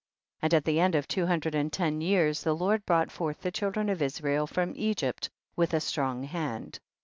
4. And at the end of two hundred and ten years, the Lord brought forth the children of Israel from Egypt with a strong hand.